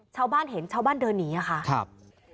เช้าบ้านเห็นเช้าบ้านเดินหนีค่ะค่ะครับ